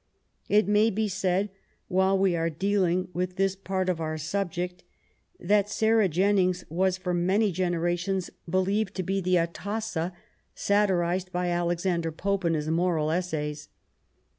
It may be said, while we are dealing with this part of our subject, that Sarah Jennings was for many genera 61 THE REIGN OF QUEEN ANNE tions believed to be the Atossa satirized by Alexander Pope in his Moral Essays.